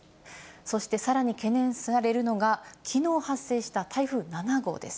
そしてさらに懸念されるのが、きのう発生した台風７号です。